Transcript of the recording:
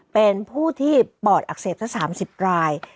เป็นผู้ที่ปอดอักเสบสัก๓๐ราย